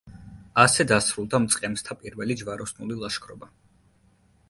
ასე დასრულდა მწყემსთა პირველი ჯვაროსნული ლაშქრობა.